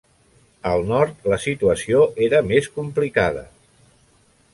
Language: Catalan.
Al nord, la situació era més complicada.